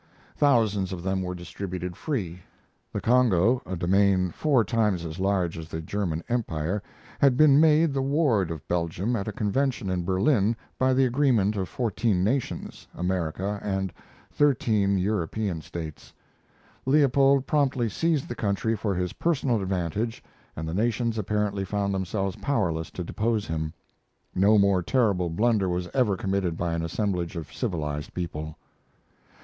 Thousands of them were distributed free. The Congo, a domain four times as large as the German empire, had been made the ward of Belgium at a convention in Berlin by the agreement of fourteen nations, America and thirteen European states. Leopold promptly seized the country for his personal advantage and the nations apparently found themselves powerless to depose him. No more terrible blunder was ever committed by an assemblage of civilized people.